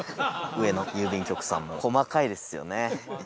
上野郵便局さんも細かいですよね